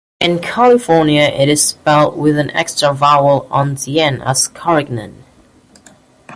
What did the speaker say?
In California it is spelled with an extra vowel on the end as Carignane.